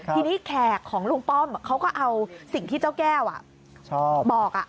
ทีนี้แขกของลุงป้อมเขาก็เอาสิ่งที่เจ้าแก้วบอก